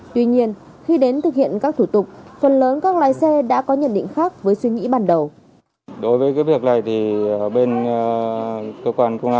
tuy nhiên khi đến thực hiện các thủ tục phần lớn các lái xe đã có nhận định khác với suy nghĩ ban đầu